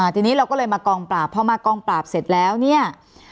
ทีนี้เราก็เลยมากองปราบพอมากองปราบเสร็จแล้วเนี่ย